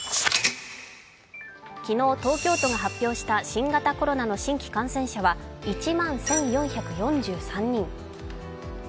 昨日、東京都が発表した新型コロナの新規感染者は１万１４４３人。